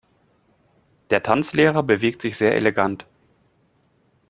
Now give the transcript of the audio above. Der Tanzlehrer bewegt sich sehr elegant.